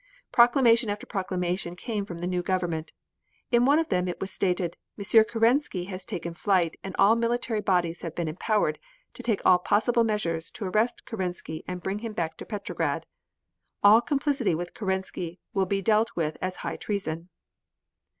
Proclamation after proclamation came from the new government. In one of them it was stated "M. Kerensky has taken flight, and all military bodies have been empowered to take all possible measures to arrest Kerensky and bring him back to Petrograd. All complicity with Kerensky will be dealt with as high treason."